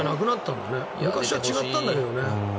昔は違ったんだけどね。